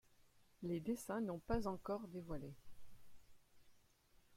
Les dessins n'ont pas encore dévoilés.